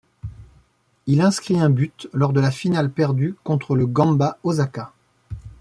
Il inscrit un but lors de la finale perdue contre le Gamba Osaka.